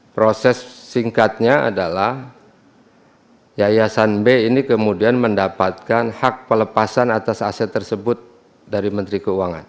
proses singkatnya adalah yayasan b ini kemudian mendapatkan hak pelepasan atas aset tersebut dari menteri keuangan